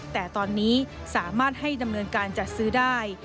แต่ตอนนี้สามารถให้ดำเนินการจัดซื้อได้